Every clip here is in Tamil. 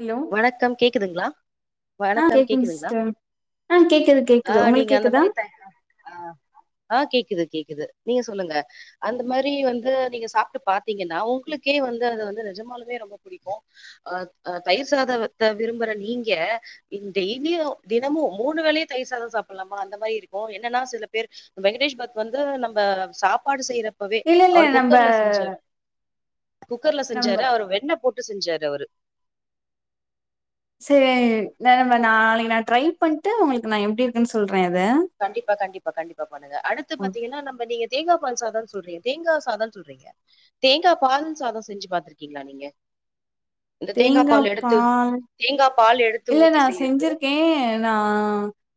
ஹலோ வணக்கம் கேக்குதுங்களா ஆ வணக்கம் கேக்குதுங் கேக்குதுங்களா சிஸ்டர் ஆ கேக்குது ஆ கேக்குது உங்களுக்கு நீங்க அந்த கேக்குதா மாதிரி [inaudible] ஆ கேக்குது கேக்குது நீங்க சொல்லுங்க அந்த மாரி வந்து நீங்க சாப்ட்டு பாத்தீங்கன்னா உங்களுக்கே வந்து அது வந்து நிஜமானாலுமே ரொம்ப பிடிக்கு அ அ தயிர் சாதத்த விரும்புற நீங்க [unintelligible] டெய்லியு தினமு மூணு வேலையு தயிர் சாதோ சாப்ட்லாமா அந்த மாதிரி இருக்கு என்னன்னா சில பேர் வெங்கடேஷ் பத் வந்து நம்ப சாப்பாடு செய்யறப் பவே இல்ல இல்ல அவர் நம்ப குக்கர்ல செஞ்சரு குக்கர்ல நம்ப செஞ்சரு அவர் வெண்ண போட் டு செஞ்சாரு அவ்ரு செரி ந நம்ம நாளைக்கி நா ட்ரை பண்ட்டு உங்களுக்கு நா எப்டி இருக்குன்னு சொல்றே அத கண்டிப்பா கண்டிப்பா கண்டிப்பா பண்ணுங்க அடுத்து பாத்தீங்கன்னா நம்ம நீங்க தேங்கா பால் சாதோனு சொல்றீங்க தேங்கா சாதோனு சொல்றீங்க தேங்கா பால்ல சாதோ செஞ்சு பாத்துருக்கீங்களா நீங்க இந்த தேங்கா பால் எடுத்து தேங்கா பால் எடுத் இல்ல நா செஞ்சிருக்கே நா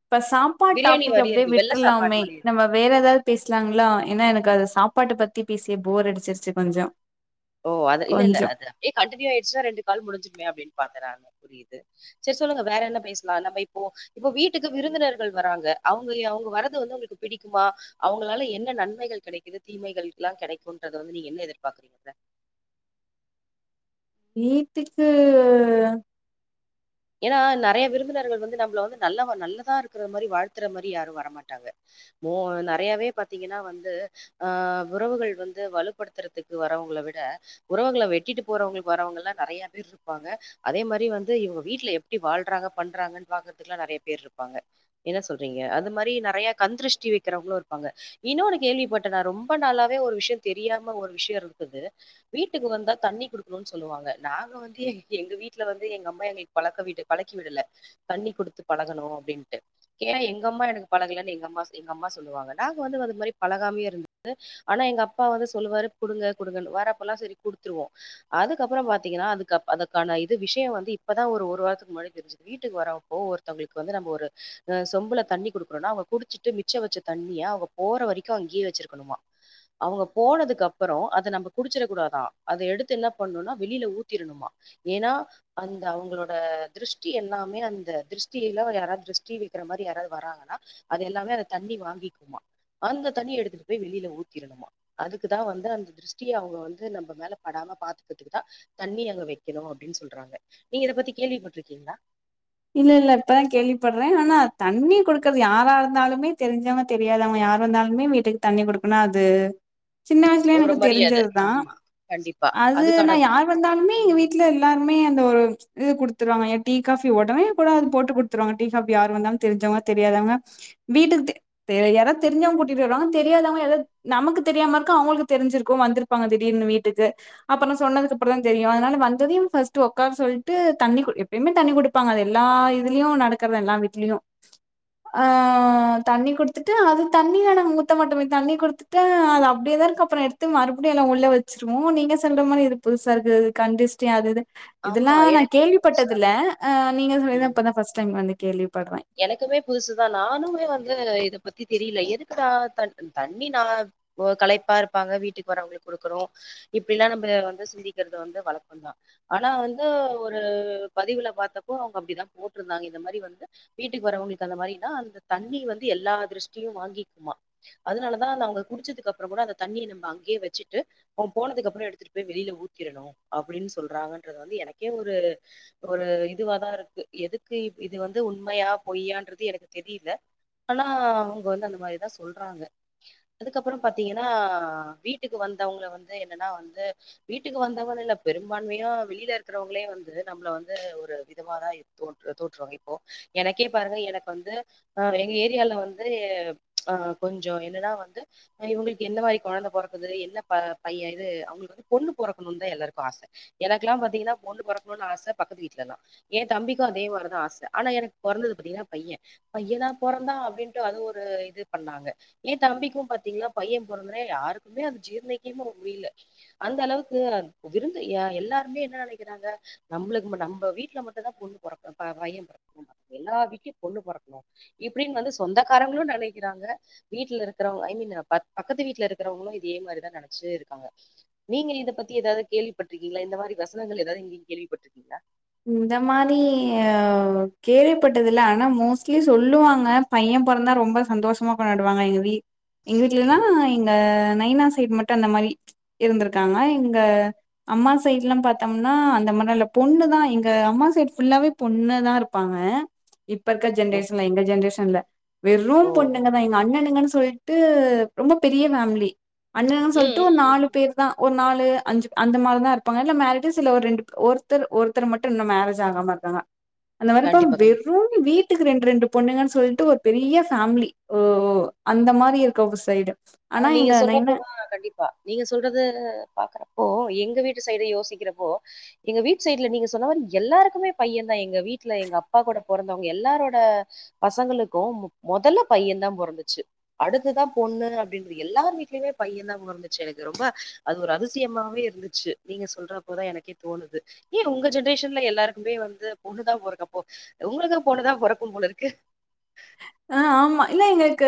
இப்ப சாப் பாட் பிரியாணி டாபிக் மாரியே அப்டியே இருக்கு. வெள்ள சாப்பாடு விட்ருலாமே மாரியே இருக்கு. நம்ம வேற ஏதாவ் பேசலாங்களா ஏன்னா எனக்கு அது சாப்பாட்ட பத்தி பேசி போர் அடிச்சிருச்சு கொஞ்சோ ஓ அது இல்ல இல்ல கொஞ்சோ அது அப்டே கண்டினியூ ஆய்டுச்சன்னா ரெண்டு கால் முடிஞ்சுடுமே அப்டின்னு பாத்தே நானு புரியு து செரி சொல்லுங்க வேற என்ன பேசலா நம்ம இப்போ இப்போ உங்க வீட்டுக்கு விருந்தினர்கள் வராங்க அவுங்களியு அவுங்க வரது வந்து உங்களுக்கு பிடிக்குமா அவுங்களால என்ன நன்மைகள் கெடைக்குது தீமைகள் எல்லா கெடைக்குன்றது வந்து நீங்க என்ன எதிர்ப்பாக்குறீங்க [inaudible] வீட்டுக்கு ஏன்னா நெறைய விருந்தினர்கள் வந்து நம்மள வந்து நல்லவா நல்லதா இருக்குற மாரி வாழ்த்துற மாரி யாரு வரமாட்டாங்க மோ நெறையாவே பாத்தீங்கன்னா வந்து அ உறவுகள் வந்து வலுப்படுத்துறதுக்கு வரவங்கள விட உறவங்கள வெட்டிட்டு போறவங்குளுக்கு வறவங்கல்லா நெறைய பேர் இருப்பாங்க அதே மாரி வந்து இவுங்க வீட்ல எப்டி வாழ்றாங்க பண்றாங்கன்னு பாக்குறக்குல்லா நெறைய பேர் இருப்பாங்க என்ன சொல்றீங்க அது மாரி நெறையா கண்திருஷ்டி வைக்கிறவங்களு இருப்பாங்க இன்னொன்னு கேள்விப்பட்டே நா ரொம்ப நாளாவே விஷ்யோ தெரியாம ஒரு விஷ்ய இருந்தது வீட்டுக்கு வந்தா தண்ணி குடுக்கணுனு சொல்லுவாங்க நாங்க வந்து எ எங்க வீட்டுல வந்து எங்க அம்மா எங்க பழக்க விட்டு பழக்கிவிடல தண்ணி குடுத்து பழகணு அப்டிண்டு ஏன்னா எங்க அம்மா எனக்கு பழகலன்னு எங்க அம்மா எங்க அம்மா சொல்லுவாங்க நாங்க வந்து அது மாரி பழகாமே இருந்துது ஆனா எங்க அப்பா வந்து சொல்லுவாரு குடுங்க குடுங்கன்னு வரப்பல்லா செரி குடுத்துருவோ அதுக்கப்பறோ பாத்தீங்கன்னா அதுக்கு அப் அதுக்கான இது விஷ்யோ வந்து இப் பதா ஒரு வாரத்துக்கு முன்னாடி தெஞ்சுது வீட்டுக்கு வரப்போ ஒருத்தவங்களுக்கு வந்து நம்ம ஒரு அ சொம்புல தண்ணி குடுறம்னா அவுங்க குடிச்சிட்டு மிச்சோ வச்ச தண்ணிய அவுங்க போற வரைக்கு அங்கேயே வச்சிருக்க காணுமா அவுங்க போனதுக்கு அப்பறோ அத நம்ப குடிச்சிட கூடாதா அத எடுத்து என்ன பண்ணணும்னா வெளியில ஊத்திற்ணுமா ஏன்னா அந் த அவுங்களோட திருஷ்டி எல்லாமே அந்த திருஷ்டியல்லா யாராது திருஷ்டி வக்கிற மாரி யாராது வராங்கன்னா அது எல்லாமே அந்த தண்ணி வாங்கிக்குமா அந்த தண்ணிய எடுத்துட்டு போய் வெளியில ஊத்திற்ணுமா அதுக்குதா வந்து அந்த திருஷ்டிய அவுங்க வந்து நம்ம மேல படாம பாத்துக்கிறதுக்கு தா தண்ணி அங்க வைக்கணு அப்டின்னு சொல்றாங்க நீங்க இத பத்தி கேள்விப்பட்டிருக்கீங்களா இல்ல இல்ல இப்பதா கேள்விப்படுறே ஆனா தண்ணி குடுக்கற்து யாரா இருந்தாலுமே தெரிஞ்சாங்க தெரியாதவாங்க யார் வந்தாலுமே வீட்டுக்கு தண்ணி குடுக்கணு அது சின்ன வய்சுலயே ஒரு எனக்கு மரியாத. தெரிஞ்சது தா ஆமா. கண்டிப்பா. அது அதுக்கான நா யார் இருந்தாலுமே எங்க வீட்ல எல்லாருமே அந்த ஒரு இது குடுத்துருவாங்க ஏ டீ கஃப் ஒடனே கூட அது போட்டு குடுத்துருவாங்க டீ காபி யார் வந்தாலும் தெரிஞ்சவங்க வீட்டுக்கு தெ யாராவ தெரி்சவங்க கூட்டிட்டு வருவாங்க தெரியாதவங்க ஏதாது நமக்கு தெரியாம இருக்க அவங்களுக்கு தெரிஞ்சிருக்கும் வந்துரு இருப்பாங்க திடீர்னு வீட்டுக்கு அப்றம் சொன்னதுக்கு அப்புற தான் தெரியும் அதனால வந்ததையு ஒக்கார் சொல்ட்டு தண்ணி குடு எப்பயுமே தண்ணி குடு ப்பாங்க அது எல்லா இதுலயும் நடக்கறது தா எல்லா வீட்லயும் ஆ தண்ணி குடுத்துட்டு அது தண்ணியான ஊத்த மட்டுமே தண்ணி குடுத்து அது அப்டியேதா இருக்கு அப்றம் எடுத்து மறுபடியும் எல்லாம் உள்ள வச்சுருவோம் நீங்க சொல்ற மாரி இது புதுசா இருக்கு கண்திஸ்டி அது இது ஆமா இதல்லாம் நா எனக்கு இது கேள்விப்பட்டது புதுசா இல்ல ஆ நீங்க சொல்லி ம். தா இப்பதா பஸ்ட் டைம் வந்து கேள்விப்படற எனக்குமே புதுசுதா நானுமே வந்து இத பத்தி தெரியல எதுக்குடா தண்ணி நான் கலைப்பா இருப்பாங்க வீட்டுக்கு வரவங்களுக்கு குடுக்கறோம் இப்டி எலாம் நம்ம வந்து சிந்திக்கிறது வந்து வழக்கம தா ஆனா வந்து ஒரு பதிவுல பாத்தப்போ அவங்க அப்டிதா போட்ருந்தாங்க இந்த மாரி வந்து வீட்டுக்கு வரறவங்களுக்கு அந்த மாரினா அந்த தண்ணி வந்து எல்லா திருஷ்டியும் வாங்கிக்குமா அதனாலதா நா அவங்க குடிச்சதுக்கு அப்றம் கூட அந்த தண்ணிய நம்ம அங்கயே வச்சுட்டு அவன் போனதுக்கப்றம் எடுத்துட்டு போய் வெளில ஊத்திடணும் அப்டின்னு சொல்றாங்கன்றது வந்து எனக்கே ஒரு ஒரு இதுவாதா இருக்கு எதுக்கு இது வந்து உண் உண்மையா பொய்யான்றது எனக்கு தெரில ஆனா அவங்க வந்து அந்த மாரிதா சொல்றாங்க அதுக்கப்புறம் பாத்தீங்கன்னா வீட்டுக்கு வந்தவங்க வந்து என்னன்னா வந்து வீட்டுக்கு வந்தவங்க இல்ல பெரும்பான்மையா வெளில இருக்கறவங்களே வந்து நம்மள வந்து ஒரு விதமாதா தோட்டு தோட்டுருவாங்க இப்போ எனக்கே பாருங்க எனக்கு வந்து ஆ எங்க ஏரியால வந்து ஆ கொஞ்ச என்னன்னா வந்து அ இவங்களுக்கு எந்த மாரி கொழந்தை பொறக்குது என்ன ப பைய இது அவங்களுக்கு வந்து பொண்ணு பொறக்கணும்னு தா எல்லாருக்கும் ஆச எனக்குல்லாம் பாத்தீங்கன்னா பொண்ணு பொறக்கணும்னு ஆச பக்கத்து வீட்டு்லதா என் தம்பிக்கும் அதே மாரிதா ஆச ஆனா எனக்கு பொறந்தது பத்தீங்கன்னா பையன் பையனா பொறந்தான் அப்டின்ட்டு அதுவும் ஒரு இது பண்ணாங்க ஏ தம்பிக்கும் பாத்தீங்கன்னா பையன் பொறந்தோன யாருக்குமே அது ஜீர்ணிக்கவே முடில அந்த அளவுக்கு விருந்து எல்லாருமே என்ன நெனைக்கறாங்க நம்ளுக்கு நம்ம வீட்டு்ல மட்டும்தா பொண்ணு பொறக்கணு பையன் பொறக்கணு எல்லா வீட்லயும் பொண்ணு பொறக்கணு இப்டின்னு வந்து சொந்தக்காரங்களும் நெனைக்கறாங்க வீட்ல இருக்கிறவங்க ஐ மீன் பக்கத்து வீட்ல இருக்கறவங்களும் இதே மாரிதா நெனச்சுட்டே இருக்காங்க நீங்க இத பத்தி ஏதாது கேள்விப்பட்ருக்கீங்களா இந்த மாதிரி வசனங்கள் ஏதாது நீங்க கேள்விப்பட்ருக்கீங்களா இந்த மாரி கேள்விப்பட்டதுல ஆனா மோஸ்ட்லி சொல்லுவாங்க பையன் பொறந்தா ரொம்ப சந்தோஷமா கொண்டாடுவாங்க எங்க வீட்லாம் எங்க வீட்லன்னா எங்க நைனாஸ் சைடு மட்டு அந்த மாறி இருந்துருக்காங்க எங்க அம்மா சைட்லாம் பாத்தோம்னா அந்த மார் இல்ல பொண்ணு தா எங்க அம்மா சைடு் புஃபுல்லாவே பொண்ணு தா இருப்பாங்க இப்ப இருக்கற ஓ ஜென்ரேஷன்ல எங்க ஜென்ரேஷன்ல வெறும் ஓ பொண்ணுங்கதான் வெறும் பொண்ணுங்க தா எங்க அண்ணனுங்கன்னு சொல்லிட்டு ரொம்ப பெரிய ஃபேமிலி அண்ணனுன்னு ம் சொல்ட்டு ம் ஒரு ம் நாலு பேர் ஒரு நாலு அஞ்சு அந்த மார் தா இருப்பாங்க இல்ல மேரிடு ரெண்டு ஒருத்தர் ஒருத்தர் ஒருத்தரு மட்டு இன்னும் மேரேஜ் ஆகாம இருக்காங்க அந்த மாறி தான்‌ கண்டிப்பா கண்டிப்பா வெறும் வீட்டுக்கு ரெண்டு ரெண்டு பொண்ணுங்க சொல்ட்டு ஒரு பெரிய பேமிலி அந்த மாறி இருக்க ஒரு சைடு ஆ ஆனா நீங்க எங்க நைனா சொல்றப்ப வா‌ கண்டிப்பா நீங்க சொல்றத பாக்கறப்போ எங்க வீட்டு சைடு யோசிக்கறப்போ எங்க வீட் சைட்ல நீங்க சொன்ன மாறி எல்லாருக்குமே பையன் தா எங்க வீட்ல எங்க அப்பா கூட பொறந்தவங்க எல்லாரோட பசங்களுக்கும் மொதல்ல பையன் தா பொறந்துச்சு அடுத்துதா பொண்ணு அப் பின்பு எல்லார் வீட்லயுமே பைய தா பொறந்துச்சு எனக்கு ரொம்ப அது ஒரு அதிசியமாவே இருந்துச்சு நீங்க சொல்ற போதா எனக்கே தோணுது ஏ உங்க ஜென்ரேஷன்ல எல்லாருக்குமே வந்து பொண்ணுதா போறக்குப்போ‌‍ உங்களுக்கு பொண்ணு தா பொறக்கு போல இருக்கு ஆ ஆமா இல்ல எங்களுக்கு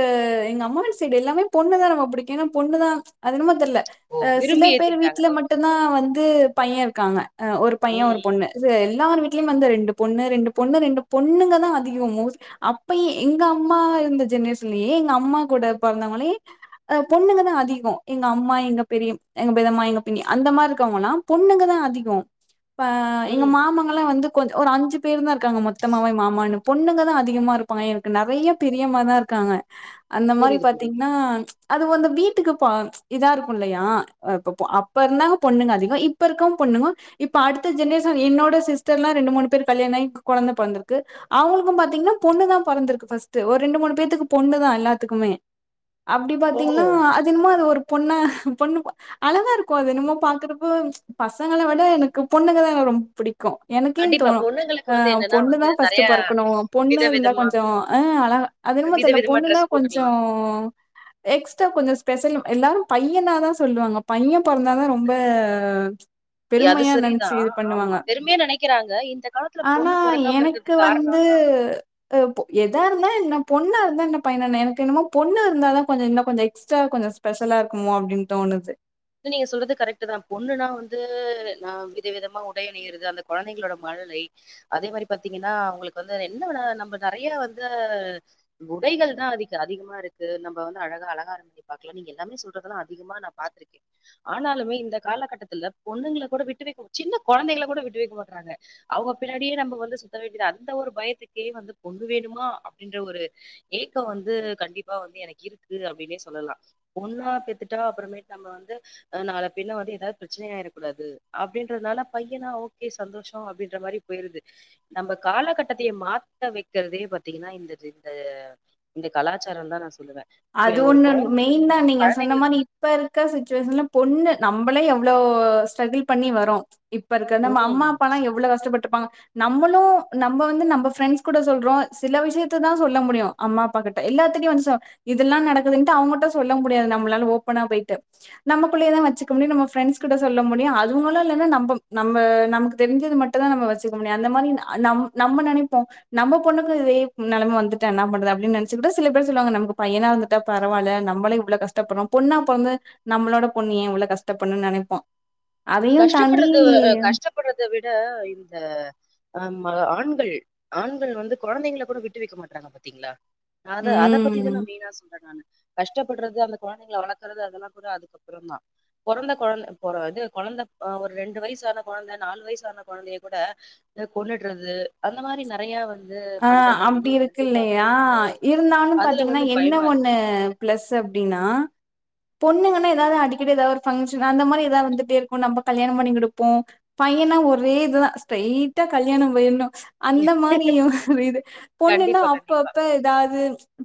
எங்க அம்மாவோட சைடு எல்லாமே பொண்ணு தா ரொம்ப பிடிக்கு ஏனா பொண்ணுதா அது என்னமோ தெர்ல அ சில விரும்பி பேர் ஏத்துக்கிட்டாங்க. வீட்ல மட்டுதா வந்து பைய இருக்காங்க அ ஒரு பைய ம், ஒரு பொண்ணு இது எல்லார வீட்லயு வந்து ரெண்டு பொண்ணு ரெண்டு பொண்ணு ரெண்டு பொண்ணுங்க தா அதிகோ மோஸ் அப்பயே எங்க அம்மா இருந்த ஜென்ரேஷன்லயே எங்க அம்மா கூட பொறந்தங்களே ஆ பொண்ணுங்கதா அதிகோ எங்க அம்மா எங்க பெரிய எங்க பெதம்மா எங்க பிண்ணி அந்த மாரி இருக்கங்கன்னா பொண்ணுங்க தா அதிகோ ஆ ம், எங்க ம். மாமா இவங்களா வந்து கொஞ்சோ ஒரு அஞ்சு பேர் தா இருக்காங்க மொத்தமாவே மாமானு பொண்ணுங்க தா அதிகமா இருப்பாங்க நெறைய பெரியமா தா இருக்காங்க அந்த மாரி புரியுது, புரியுது. பாத்தீங்கன்னா அது வந்து வீட்டுக்கு பா இதா இருக்கு இல்லையா இப்ப அப்ப இருந்தாங்க பொண்ணுங்க அதிகோ இப்ப இருக்கவு பொண்ணுங்க இப்ப அடுத்த ஜென்ரேஷன் என்னோட சிஸ்டர்ல்லா ரெண்டு மூணு பேர் கல்யாணம் ஆகி கொழந்த பொறந்துருக்கு அவங்களுக்கு பாத்தீங்கன்னா பொண்ணு தா பொறந்திருக்கு ஃபஸ்ட்டு ஒரு ரெண்டு மூணு பேத்துக்கு பொண்ணு தா எல்லாத்துக்குமே அப்டி பாத்தீங்கன்னா ஓ! தின்னமோ அது ஒரு பொண்ணா பொண்ணு பாத் அழகா இருக்கு அது என்னமோ பாக்குறப்ப பசங்கள விட எனக்கு பொண்ணுங்கதா எனக்கு ரொம் புடிக்கு எனக்கே கண்டிப்பா தோணு பொண்ணுங்களுக்கு ஆ வந்து என்னன்னா பொண்ணு வந்து தா நெறைய ஃபர்ஸ்ட்டு பொறக்கணு பொண்ணு இருந்தா விதவிதமா கொஞ்சோ ஆ அழகா அது என்னமோ தெர்ல விதவிதமா பொண்ணுன்னா ட்ரெஸ் கொஞ்சோ போட்டுக்கலாம். ம் எக்ஸ்டா கொஞ்சோ ஸ்பெஷல் எல்லாரு பையனாதா சொல்லுவாங்க பைய பொறந்தாதா ரொம்ப அது பெருமையா சரிதா நெனச்சு இது ஆமா பண்ணுவாங்க பெருமையா நெனைக்கிறாங்க இந்த காலத்துல பொண்ணு பொறக்காம இருக்கிறது க்கு வந்து அ பொ எதா இருந்தா என்ன பொண்ணா இருந்தா என்ன பையனா எனக்கு என்னமோ பொண்ணு இருந்தா தா கொஞ்சோ இன்னு கொஞ்சோ எக்ஸ்ட்ரா கொஞ்சோ ஸ்பெஷலா இருக்குமோ அப்டின்னு தோணுது நீங்க சொல்றது கரெக்ட் தா பொண்ணுன்னா வந்து நா வித விதமா உடை அணையிறது அந்த கொழந்தைங்களோட மழலை அதே மாரி பாத்தீங்கன்னா அவுங்களுக்கு வந்து என்னான நம்ப நெறையா வந்து உடைகள் தா அதிக அதிகமா இருக்கு நம்ப வந்து அழகா அழங்காரம் பாக்கலா நீங்க எல்லாமே சொல்றதெல்லா அதிகமா நா பாத்திருக்கே ஆனாலுமே இந்த காலகட்டத்துல பொண்ணுங்கள கூட விட்டு வைக்க சின்ன குழந்தைங்கள கூட விட்டு வைக்க மாட்றாங்க அவுங்க பின்னாடியே நம்ப வந்து சுத்த வேண்டியது அந்த ஒரு பயத்துக்கே வந்து பொண்ணு வேணுமா அப்டின்ற ஒரு ஏக்கம் வந்து கண்டிப்பா வந்து எனக்கு இருக்கு அப்டின்னே சொல்லலா பொண்ணா பெத்துட்டா அப்புறமே நம்ப வந்து ஆ நால பிண்ண வந்து ஏதாவது பிரச்சனையாயிரக் கூடாது அப்டின்றதுனால பையனா ஓகே சந்தோஷோ அப்டின்ற மாரி போயிருது நம்ப காலகட்டத்தையே மாத்த வைக்கிறதே பாத்தீங்கன்னா இந்த இந்த இந்த கலாச்சாரம் தா நா சொல்லுவே அது ஒண்ணு மெயின் தா நீங்க சொன்ன மாரி இப்ப இருக்க சுச்சுவேஷன்ல பொண்ணு நம்பளே எவ்ளோ ஸ்டிரக்குள் பண்ணி வரோ இப்ப இருக்க நம்ம ம். அம்மா அப்பாலா எவ்ளோ கஷ்டப்பட்டுப்பாங்க நம்பளு நம்ப வந்து நம்ப ஃப்ரெண்ட்ஸ் கூட சொல்றோ சில விஷயத்த தா சொல்ல முடியு அம்மா அப்பாக்கிட்ட எல்லாத்திட்டயு வந்து சொ இதெல்லா நடக்குதுன்ட்டு அவுங்கட்ட சொல்ல முடியாது நம்மளால ஓப்பனா போயிட்டு நம்மக்குள்ளயேதா வச்சுக்க முடியு நம்ம பிரெண்டஸ்கிட்ட சொல்ல முடியும அங்களு இல்லன்னா நம்பம் நம்ப நமக்கு தெரிஞ்சது மட் டுதா நம்ம வச்சுக்கணும் அந்த மாரி நம் நம்ம நனைப்போம் நம்ம பொண்ணுக்கு இதே நெலம வந்துட்டா என்னாப் பண்றது அப்டின் நனைச்சுக்கிட்டு சில பேர் சொல்வாங்க நம்ப பையனாருந்துட்டா பரவாயில்ல நம்பளே இவ்ளோ கஷ்டப்பறோம் பொண்ணா பொறந்து நம்மளோட பொண்ணு ய இவ்ளோ கஷ்டப்பண்னு நனைப்போம் அதையும் தாண்டி பட்றத விட இந்த ஆமா ஆண்கள் ஆண்கள் வந்து கொழ்ந்தைங்கள கொட விட்டு வைக்க மாட்றாங்க பாத்தீங்களா அத அதப் பத்தி ம் தான மெய்னா சொல்ற நானு கஷ்டப்பட்றது அந்த கொழந்தைகள வளர்க்கறது அதெல்லா கொட அதுக்கப்புறம் தான் பொறந்த கொழந்த பொற இது கொழந்த ஆ ஒரு ரெண்டு வயசான கொழந்த நாலு வயசான கொழந்தைய கொட த கொண்னுடறது அந்த மாரி நறையா வந் ஆ அப்டி இருக்கு இல்லயா இருந்தாலும் அதுல பாத்தீங்கன்னா வந்து என்ன பயமா இருக்கு. ஒண்ணு பிளஸ் அப்டீன்னா பொண்ணுங்கன்னா ஏதாது அடிக்கடி எதாவொரு ஃப்ங்ஷனு அந்த மாரி ஏதாது வந்துட்டே இருக்கும் நம்ப கல்யானோ பண்ணி குடுப்போம் பையன்னா ஒரே இதுதா ஸ்டிரைட்டா கல்யாணம் பேய்ணு அந்த மாரியும் இது பொண்ணுன்னா கண்டிப்பா, கண்டிப்பா. அப்பப்ப ஏதாது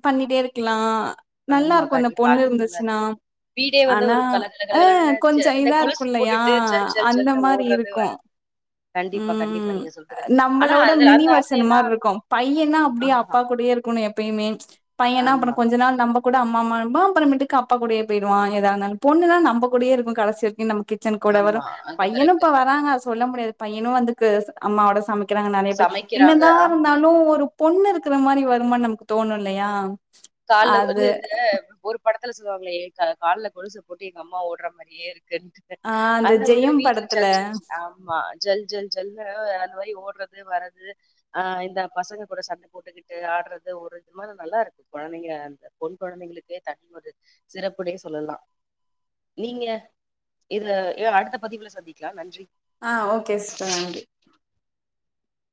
பண்ணிட்டேருக்கலா ஆமா, நல்லாருக்கும் இன்ன கண்டிப்பா. பொண்ணு அதுவும் நல்லா இருக்கு. இருந்ச்சுன்னா வீடே வந்து ஆனா ஒரு கல கல ஆ கலகலன்னு ஜ கொஞ்ச இந்த இதா கொலுசு இருக்குல்லையா போட்டுட்டு ஜல் ஜல் அந்த ஜல்ன்னு மாரி ஓடுறது வ இருக்கும் கண்டிப்பா, உம் கண்டிப்பா ம் நீங்க சொல்றது. ஆனா நம்மளோட அது அந்த ஆசையெல்லாம் மினிவர்சன்மாருக் கும் பையன்னா அப்டியே ஆமா, அப்பா கூடயே இருக்கணும் எப்பயுமே பையன்ன ஆமா, அப்பறம் கொஞ்ச நாள் நம்ப கூட அம்மா மாரி தான் அப்பறமேட்டுக்கு அப்பா கூடையே போயிடுவான் எதா இருந்தாலும் பொண்ணுதா நம்ப கூடயே இருக்கும் கடைசி வரைக்கு நம்ம கிட் ச்சன் கூட வரு ஆமா. அது பையனும் கரெக்ட்டு இப்ப தான். வராங்க சொல்ல முடியாது பையனும் வந்துக்கு அம்மாவோட சமைக் கிறாங்க நறையா பேர் சமைக்கிறாங்க என்னதான் ஆமா இருந்தாலும் ஒரு பொண்ணு இருக்குற மாரி வருமான் நமக்கு தோணும் இல்லயா கால்ல வந்து இந்த ஒருப் படத்துல சொல்லுவாங்களே ஏ க கால்ல கொழுச போட்டு எங்க அம்மா ஓட்ற மாரியே இருக்குன்ட்டு டு ஆ அந்த ஒரு ஜெயம் வீட்ல ஜல் படத்துல ஜல் ஜி ஆம் மா ஜல் ஜல் ஜல்னு அது மாரி ஓட்றது வறது அ இந்த பசங்க கொட சண்ட போட்டுக்கிட்டு ஆட்றது ஒரு இது மா நல்லாருக்கு கொழந்தைங்க அந்த பொன் கொழந்தைங்களுக்கே தனி ஒரு சிறப்புனே சொல்லலா நீங்க இதுல ஏ அடுத்த பதிவுல சந்திக்கலா நன்றி ஆஹ் ஓகே சிஸ்டர் நன்றி